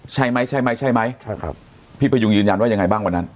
ใช่ไหมใช่ไหมใช่ไหมพี่พะยุงยืนยันว่ายังไงบ้างวันนั้น